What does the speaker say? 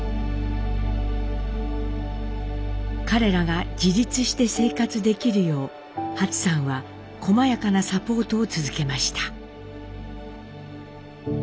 彼らが自立して生活できるようハツさんはこまやかなサポートを続けました。